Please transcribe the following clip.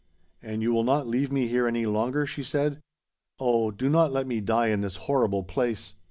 "And you will not leave me here any longer?" she said. "Oh! do not let me die in this horrible place!"